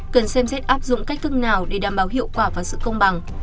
cần xem xét áp dụng cách thức nào để đảm bảo hiệu quả và sự công bằng